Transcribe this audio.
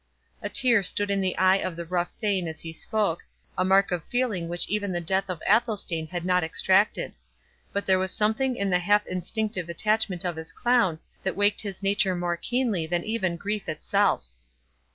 A tear stood in the eye of the rough Thane as he spoke—a mark of feeling which even the death of Athelstane had not extracted; but there was something in the half instinctive attachment of his clown, that waked his nature more keenly than even grief itself.